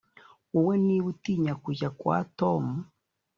wowe niba utinya kujya kwa Tom